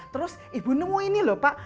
terus ibu nemuin nih loh pak